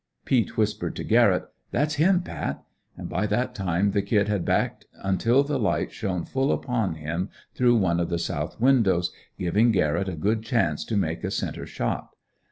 Peet whispered to Garrett: "That's him Pat." And by that time the "Kid" had backed until the light shone full upon him, through one of the south windows, giving Garrett a good chance to make a center shot.